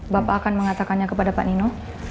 bapak akan mengatakannya kepada pak nino